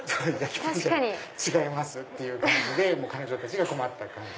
違います！っていう感じで彼女たちが困った感じに。